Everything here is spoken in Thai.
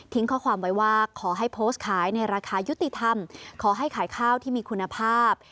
ข้อความไว้ว่าขอให้โพสต์ขายในราคายุติธรรมขอให้ขายข้าวที่มีคุณภาพ